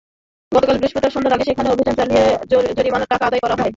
গতকাল বৃহস্পতিবার সন্ধ্যার আগে সেখানে অভিযান চালিয়ে জরিমানার টাকা আদায় করা হয়।